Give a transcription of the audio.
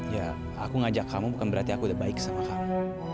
ya aku ngajak kamu bukan berarti aku udah baik sama kamu